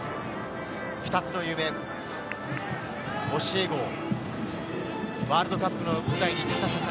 ２つの夢、教え子をワールドカップの舞台に立たせたい。